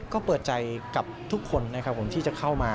ก็เปิดใจกับทุกคนที่จะเข้ามา